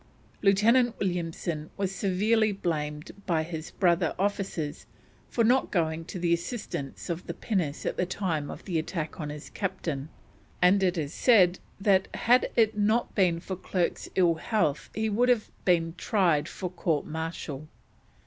Lieutenant Williamson was severely blamed by his brother officers for not going to the assistance of the pinnace at the time of the attack on his Captain, and it is said that had it not been for Clerke's ill health he would have been tried by court martial.